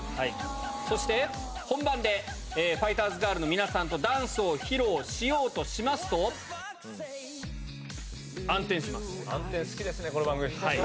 そして、本番でファイターズガールズの皆さんとダンスを披露しようとしま暗転好きですね、この番組。